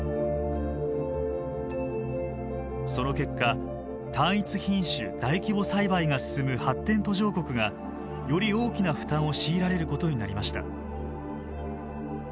その結果単一品種大規模栽培が進む発展途上国がより大きな負担を強いられることになりました。